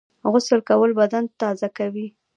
غسل کول بدن تازه کوي